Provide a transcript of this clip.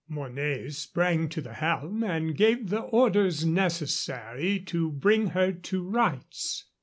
Mornay sprang to the helm and gave the orders necessary to bring her to rights.